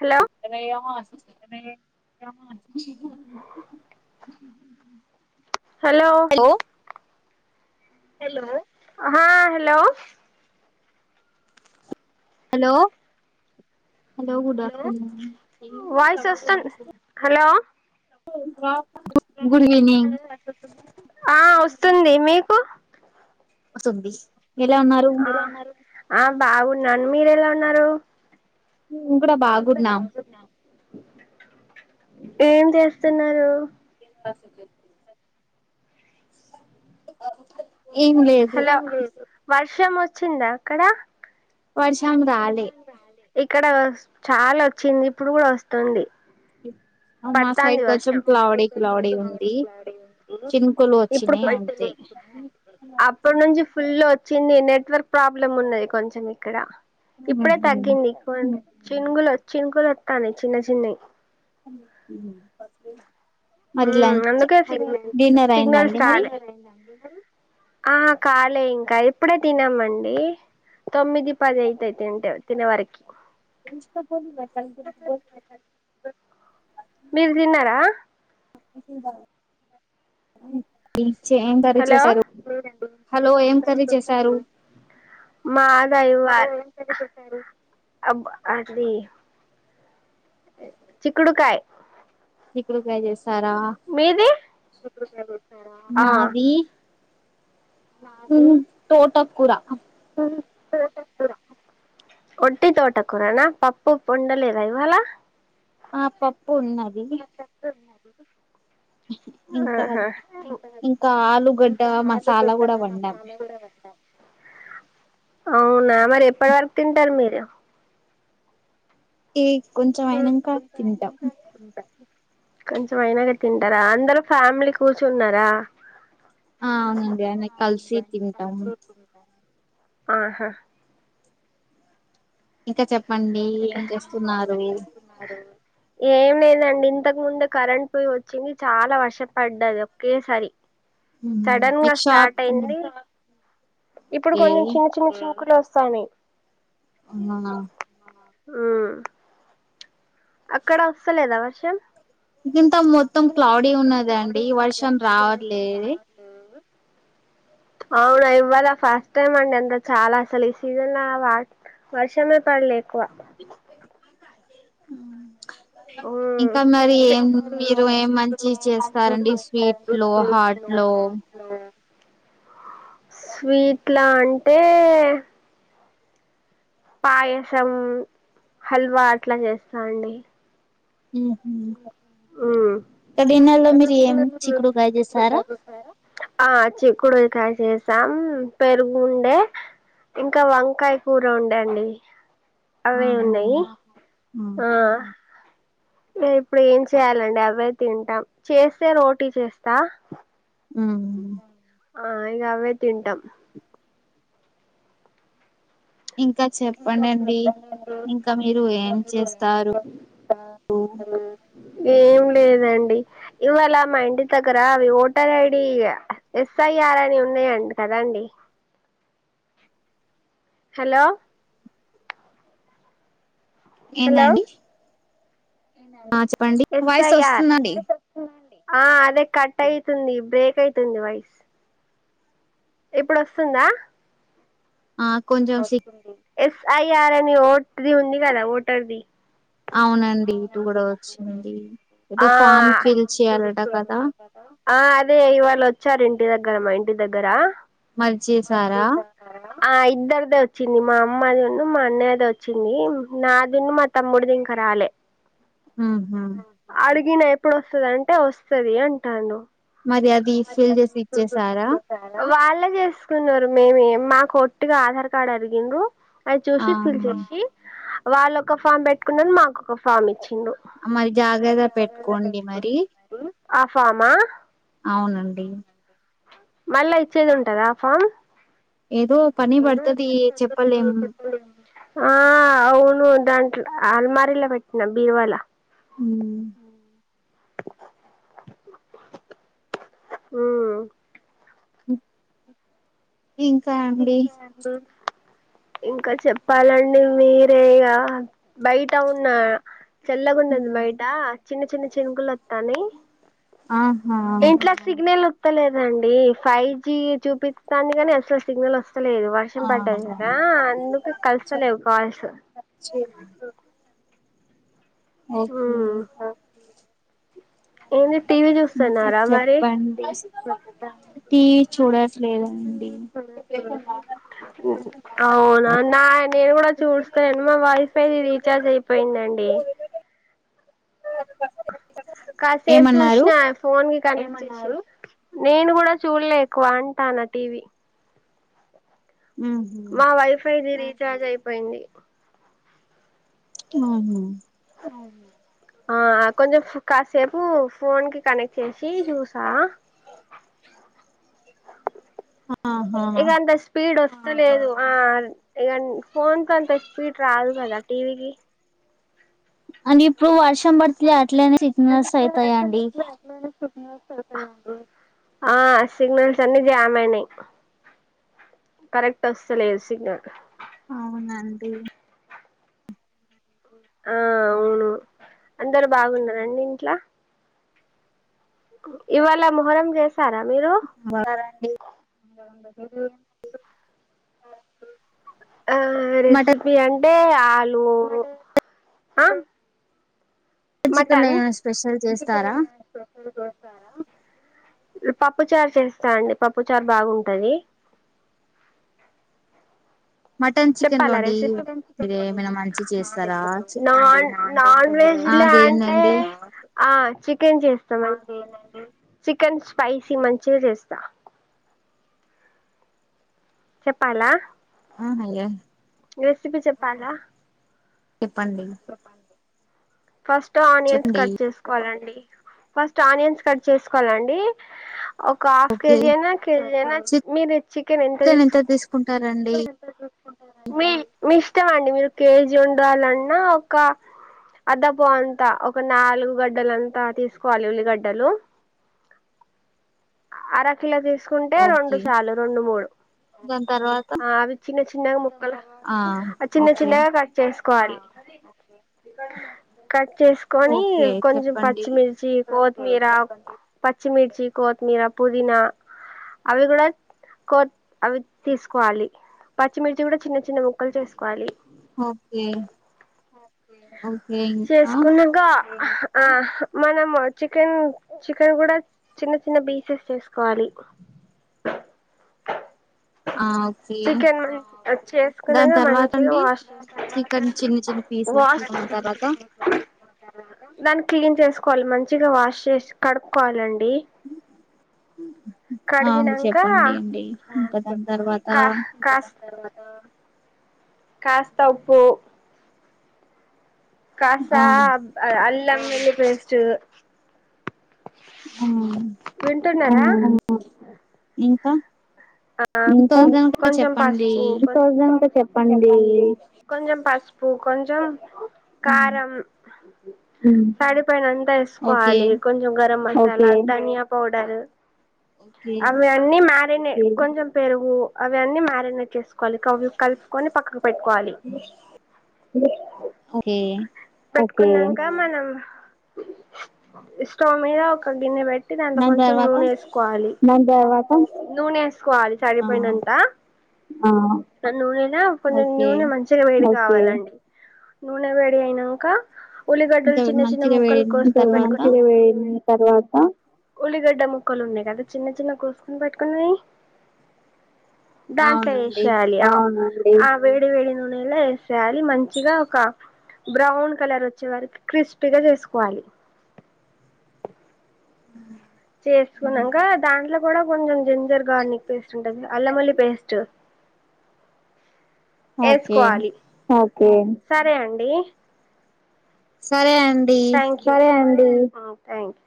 Hello hello hello hello హా hello hello hello good afternoon voice వస్తుంది hello good evening ఆ వస్తుంది మీకు వస్తుంది ఎలా ఉన్నారు ఆ బాగున్నా మీరు ఎలా ఉన్నారు మేము కూడా బాగున్నాం ఏం చేస్తున్నారు ప్ర ఏమి లే హలో వర్షం వచ్చిందా అక్కడ వర్షం రాలే ఇక్కడ చాలా చినుకులు వస్తుంది అ మా సైడ్ కొంచెం క్లౌడీ క్లౌడీ ఉంది చినుకులు ఇప్పుడు వచ్చినాయి అంతే అ అప్పటి నుంచి ఫుల్ వచ్చింది నెట్వర్క్ ప్రాబ్లమ్ ఉన్నది కొంచం ఇక్కడ ఇప్పుడే తగ్గింది కొ చినుగులు చినుకులు వస్తాన్నాయ్ చిన్న చిన్నవి ఉమ్ ఆ అందుకే సిగ్నల్ డిన్నర్ సిగ్నల్స్ అయిందండి మరి రాలే ఆా కాలే ఇంకా ఇప్పుడే తిన్నామండి తొమ్మిది పది అయితయి తింటే తినే వరకి ఇన్స్టా [unintelligible] మీరు తిన్నారా టిఫిన్ బాలే ఏం కర్రీ హలో చేశారు హలో ఏం కర్రీ చేశారు మాదాలా అబ్బ అది చిక్కుడుకాయ చిక్కుడుకాయ చేశారా మీది ఆ మాది నాది తోటకూర ఊ [unintelligible] ఒట్టి తోటకూరనా పప్పు పొండలేద ఇవాల ఆ పప్పు ఉన్నది ఇంకా ఆహా ఇంకా ఆలుగడ్డ మసాలా కూడా వండాము అవునా మరి ఎప్పటి వరకు తింటారు మీరు ఈ కొంచెం అయినాక తింటాం కొంచెం అయినాక తింటారా అందరు ఫ్యామిలీ కూర్చున్నారా ఆ అవునండి అందరూ కలిసి తింటాము ఆహా ఇంకా చెప్పండి ఏం చేస్తున్నారు మరి ఏం లేదండి ఇంతకు ముందు కరెంట్ పోయి వచ్చింది చాలా వర్షం పడ్డది ఒక్కేసారి సడన్ గా మీకు షాప్ స్టార్ట్ అయింది ఇప్పుడు ఓకే కొన్ని చిన్న చిన్న చినుకులు వస్తాన్నాయ్ అవునా ఆ అక్కడ వస్తలేదా వర్షం గింత మొత్తం క్లౌడీ ఉన్నదండి ఈ వర్షం రావట్లేది ఆ అవును ఇవ్వాల ఫస్ట్ టైం అండి అంత చాలా అసలు ఈ సీజన్ లో వా వర్షమే పడలే ఎక్కువ అ [unintelligible] ఉమ్ ఇంకా మరి ఏం మీరు ఏం మంచి చేస్తారండి స్వీట్ లో హార్ట్ లో స్వీట్లా అంటే పాయసం హల్వా అట్లా చేస్తా అండి ఉహ ఉమ్ ఇక డిన్నర్ లో మీరు ఏం చిక్కుడుకాయ చేస్తారా ఆ చిక్కుడుకాయ చేస్తాం పెరుగుండే ఇంకా వంకాయ కూర ఉండేండి అవే ఆహా ఉన్నాయి ఆ ఉహు ఇప్పుడు ఏం చేయాలండి అవే తింటాం చేస్తే రోటీ చేస్తా ఆ ఆ ఇంగ అవే తింటాం ఇంకా చెప్పండండి ఇంకా మీరు ఏం చేస్తారు ఏం లేదండి ఇవాల మా ఇంటి దగ్గర అవి ఓటర్ ఐడి ఎస్ఐఆర్ అని ఉన్నాయంట కదా అండి హలో హలో ఏందండి ఆ చెప్పండి వాయిస్ ఎస్ఐఆర్ వస్తుందండి ఆ అదే కట్ అయితుంది బ్రేక్ అయితుంది వయిస్ ఇప్పుడు వస్తుందా ఆ కొంచెం సి ఎస్ఐఆర్ అని వోట్ ఉంది కదా వోటర్ ది అవునండి ఇటు కూడా వచ్చింది ఏదో ఆ ఫామ్ ఫిల్ చెయ్యాలట కదా ఆ అదే ఇవాళ వచ్చారు ఇంటి దగ్గర మా ఇంటి దగ్గరా మరి చేసారా ఆ ఇద్దరిదే వచ్చింది మా అమ్మదిన్ను మా అన్నయ్యదే వచ్చింది నా దున్ను మా తమ్ముడుదింకా రాలే హహ అడిగినా ఎప్పుడుస్తుందింటే వస్తది అంటాన్లు మరి అది ఫిల్ చేసి ఇచ్చేసారా వాళ్ళే చేసుకున్నారు మేమే మాకు వట్టిగా ఆధార్ కార్డు అడిగిండ్లు అది చూసి ఫిల్ ఆహా చేసి వాళ్ళొక ఫామ్ పెట్టుకున్నారు మాకు ఒక ఫామ్ ఇచ్చిండు మరి జాగ్రత్త పెట్టుకోండి మరి ఆ ఫామా అవునండి మళ్ళా ఇచ్చేది ఉంటదా ఫామ్ ఏదో పని పడుతది చెప్పలేం ఆ అవును దాంట్లో అలమారలా పెట్టిన బీర్వాల ఉ ఉ ఇంకా అండి ఉ ఇంకా చెప్పాలండి మీరే ఇగ బయట ఉన్న చల్లగాన్నది బయట చిన్న చిన్న చినుకులు అత్తన్నై ఆహా సిగ్నల్ వస్తలేదండి ఫైవ్ జి చూపిస్తోంది కాని అసలు సిగ్నల్ వస్తలేదు వర్షం ఆ పడ్డది కదా అందుకే కలుస్తలేవు కాల్సు చె ఓకే ఉమ్ ఏంది టీవీ ఇంకా చూస్తున్నారా మరి చెప్పండి టివీ చూడట్లేదండి అవునా నా నేను కూడా చూస్తా లేను మా వైఫైది రీచార్జ్ అయిపోయిందండి కాసేపు ఏమన్నారు చూసిన ఫోన్ కి కనెక్ట్ చేసిర్రు నేను కూడా చూడలే ఎక్కువ అంటాను టీవీ ఉ మా వైఫైది రీఛార్జ్ అయిపోయింది అవునా ఆ కొంచెం కాసేపు ఫోన్ కి కనెక్ట్ చేసీ జూసా ఆహా ఇగ అంత స్పీడ్ వస్తలేదు ఆ ఇ ఫోన్కీ అంత స్పీడ్ రాదు కదా టీవీకి అని ఇప్పుడు వర్షం పడితే అట్లనే సిగ్నల్స్ అయితయండి ఆ సిగ్నల్స్ అన్ని జామ్ అయినాయి కరెక్ట్ అస్తలేదు సిగ్నల్ అవునండి ఆ హ అవును అందరు బాగున్నారా అండి ఇంట్లో ఇవాళ మొహరం చేసారా మీరు బారండి ఆ మటన్ రెసిపీ అన్ టే ఆలు చికెన్ లో మటన్ ఏమైనా స్పెషల్ చేస్తారా పప్పు చారు చేస్తా అండి పప్పు చారు బాగుంటది మటన్ చికెన్ చెప్పాల లోండి రెసిపీ... మీరు ఏమైనా మంచి చేస్తారా నా నాన్ వెజ్ లా అంటే అదేంటండి ఆ చికెన్ చేస్తా చికెన్ స్పైసీ మంచిగా చేస్తా చెప్పాలా అవున అయ్య రెసిపీ చెప్పాలా చెప్పండి ఫస్ట్ ఆనియన్స్ చెప్పండి కట్ చేసుకో కోవాలండి ఫస్ట్ ఆనియన్స్ కట్ చేసుకోవాలండి ఒక హాఫ్ ఓకే కేజీ అయినా కేజి ఎ నా మీరు చికెన్ ఎంత తీస చిక్ మీ మీ ఇష్టం అండి మీరు కేజీ వండాలన్నా ఒక అద్ద పౌ అంతా ఒక నాలుగు గడ్డలంతా తీసుకోవాలి ఉల్లిగడ్డలు అరకిలో తీసుకుంటే రెండు ఓకే చాలు రెండు మూడు దాని తర్వాత ఆ అవి చిన్న చిన్నగా ముక్కలు ఆ చిన్న ఓకే చిన్నగా కట్ చేస కోవాలి కట్ చేసుకొని ఓకే కొంచెం చెప్పండి పచ్చిమిర్చి కోత్మీర పచ్చిమిర్చి కోత్మీర పుదినా అవి కూడా కోత్ అవి తీసుకోవాలి పచ్చిమిర్చి కూడా చిన్న చిన్న ముక్కలు చేసుకోవాలి ఓకే ఓకే ఇంకా చేసుకున్నగా అహ ఆ మనం చికెన్ చికెన్ కూడా చిన్న చిన్న పీసెస్ చేసుకోవాలి ఆ ఓకే చికెన్ మన్ దాని చేసుకున్నాక తర్వాత మంచిగా అండి వాష్ చికెన్ చిన్న చిన్న పీసెస్ వాష్ తీసుకున్న తర్వాత దాన్ని క్లీన్ చేసుకోవాలి మంచిగా వాష్ చేసి కడుక్కోవాలండి అవును కడిగినంకా చెప్పండి అండి ఇంకా దాని తర్వాత కాస్త కాస్త ఉప్పు కాస్త ఆ ఆ అ అల్లం ఉల్లి పేస్ట్ అ వింటున్నారా ఇంకా ఆ తోజనగా కొంచెం చెప్పండి పసుపు కొన్ కొంచం పసుపు కొంచెం హ్మ్. కారం సరిపోయినంత ఓకే వేసుకోవాలి కొం చం గరం మసాలా ధనియా పౌడర ఓకే అవి అన్నీ మ్యారినేట్ కొంచెం పెరుగు అవి అన్నీ మ్యారినేట్ చేసుకో కలి అవి కలుపుకొని పక్కకు పెట్టుకోవాలి ఓకే పెట్టుకొనంక మనం స్టోవ మీద ఒక గిన్నె పెట్ ట్టి దాన్లో దాని కొంచం తర్వాత నూనేసుకోవాలి నూనేస్ కోవాలి ఆ చరిపోయినంత నూనె నా కొంచెం ఓకే నూనె మంచి చిగా వేడి కావాలండి నూనె వేడి అయ్యినంక ఉలిగడ్డలు ఇంకా చిన్న చిన్న మంచిగా ముక్కలు వేడిన కూసుకుని తర్వాత పెట్టుకునవి ఉల్లిగడ్డ ముక్కలు ఉన్నాయి కదా చిన్న చిన్న కోసుకుని పెట్టుకున్నవి దాంట్లో అవునండి వేసేయాలి ఆ వేడి వేడి నూనెలా వేసేయాలి మంచిగా ఒక బ్రౌన్ కలర్ వచ్చే వరకు క్రిస్పీగా చేసుకోవాలి చేసుకున్నాంక దాంట్లో కూడా కొంచెం జింజర్ గార్నిక్ పేస్ట్ ఉంటంది కదా అల్లం వెల్లుల్లి పేస్ట్ ఓకే వేసుకోవాలి ఓకే సరే అండి సరే అండి థాంక్యూ అండి ఆ థాంక్యూ